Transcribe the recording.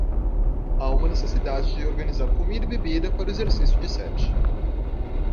Há uma necessidade de organizar comida e bebida para o exercício de sete.